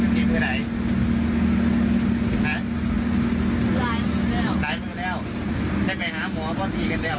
พี่สาวทนกำลังว่าทางรอดนี่เป็นของที่กำลังหอมภาพทหรือที่หา